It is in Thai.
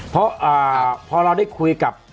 เพราะพอเราได้คุยกับ